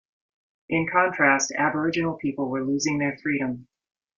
In contrast, Aboriginal people were losing their freedom.